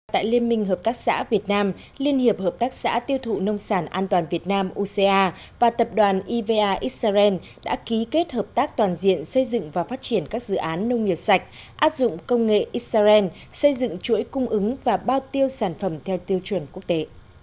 tại liên minh hợp tác xã việt nam liên hiệp hợp tác xã tiêu thụ nông sản an toàn việt nam uca và tập đoàn iva israel đã ký kết hợp tác toàn diện xây dựng và phát triển các dự án nông nghiệp sạch áp dụng công nghệ israel xây dựng chuỗi cung ứng và bao tiêu sản phẩm theo tiêu chuẩn quốc tế